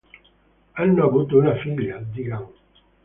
Hanno avuto una figlia, Degan.